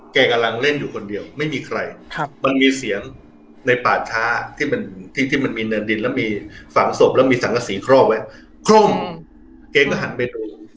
กำลังเล่นอยู่คนเดียวไม่มีใครครับมันมีเสียงในป่าช้าที่มันที่ที่มันมีเนินดินแล้วมีฝังศพแล้วมีสังกษีครอบไว้คร่มแกก็หันไปดู